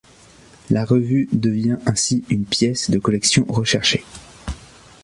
La revue devient ainsi une pièce de collection recherchée.